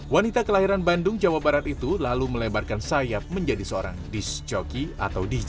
wanita kelahiran bandung jawa barat itu lalu melebarkan sayap menjadi seorang disc joki atau dj